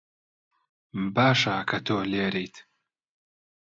باشە کە تۆ لێرەیت.